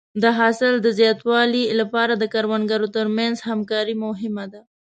د حاصل د زیاتوالي لپاره د کروندګرو تر منځ همکاري مهمه ده.